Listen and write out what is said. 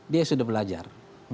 dia sudah belajar